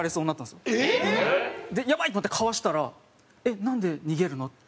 やばいと思ってかわしたら「えっなんで逃げるの？」。